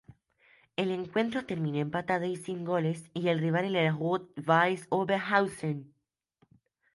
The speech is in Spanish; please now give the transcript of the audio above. El encuentro terminó empatado y sin goles y el rival era el Rot-Weiß Oberhausen.